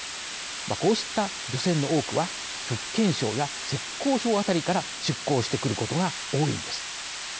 こうした漁船の多くは福建省や浙江省辺りから出港してくることが多いのです。